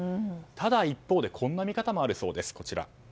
ただ一方でこんな見方もあるそうです。